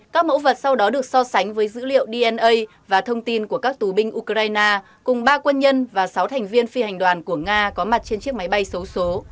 các mẫu vật sau đó được so sánh với dữ liệu dna và thông tin của các tù binh ukraine cùng ba quân nhân và sáu thành viên phi hành đoàn của nga có mặt trên chiếc máy bay xấu số